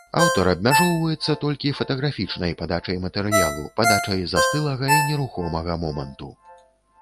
Аўтар абмяжоўваецца толькі фатаграфічнай падачай матэрыялу, падачай застылага і нерухомага моманту.